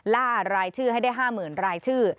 ล่ารายชื่อให้ได้ห้าหมื่นรายชื่อ